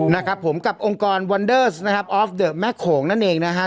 นะครับผมกับองค์กอร์นนะครับออฟแม่โขงนั่นเองนะครับ